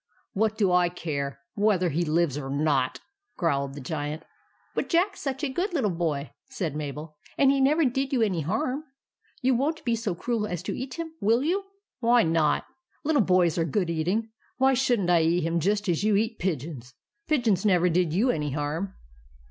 "WHAT DO I CARE WHETHER HE LIVES OR NOT?" growled the Giant. " But Jack 's such a good little boy," said 2i6 THE ADVENTURES OF MABEL Mabel ;" and he never did you any harm. You won't be so cruel as to eat him, will "WHY NOT? LITTLE BOYS ARE GOOD EATING. WHY SHOULD NT I EAT HIM JUST AS YOU EAT PIGEONS? PIGEONS NEVER DID YOU ANY HARM."